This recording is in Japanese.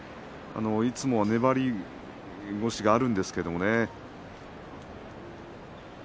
いつも粘り腰があるんですけれどもね。